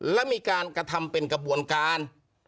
และมีการกระทำเป็นกระบวนการ